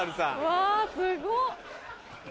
うわすごっ。